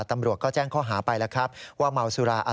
ตำรวจก็แจ้งข้อหาไปแล้วครับว่าเมาสุรา